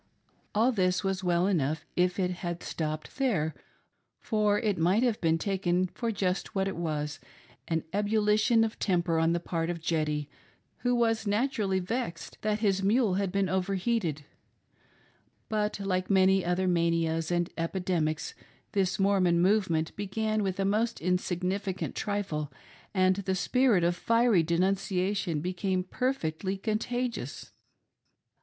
All this was well enough if it had stopped there, for it might have been taken for just what it was — an ebulition of temper on the part of "Jeddy" who was naturally vexed that his mule had been over heated. But like many other manias and epi demics, this Mormon movement began with a most insignifi cant trifle, and the spirit of fiery denunciation became perfectly 314 THE " REFOKMATION" :— EXCITEMENT AMONG THE SAINTS. contagious.